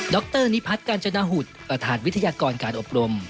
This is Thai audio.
รนิพัฒน์กาญจนหุตรประธานวิทยากรการอบรม